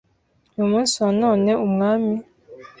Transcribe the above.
uyu munsi wa none Umwami